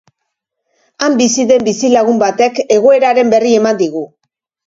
Han bizi den bizilagun batek egoeraren berri eman digu.